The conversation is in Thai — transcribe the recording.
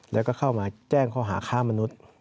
แล้วก็เข้ามาแจ้งข้อหาค้ามนุษย์